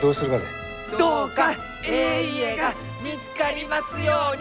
どうかえい家が見つかりますように！